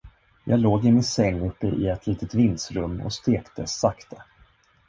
Jag låg i min säng uppe i ett litet vindsrum och stektes sakta.